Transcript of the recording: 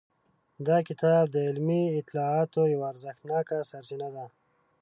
دا کتاب د علمي اطلاعاتو یوه ارزښتناکه سرچینه ده.